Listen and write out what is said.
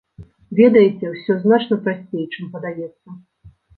Ведаеце, ўсё значна прасцей, чым падаецца.